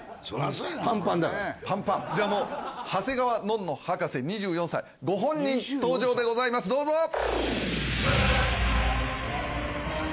そりゃそうやパンパンだからパンパンじゃあもう長谷川のんの博士２４歳ご本人登場でございますどうぞ！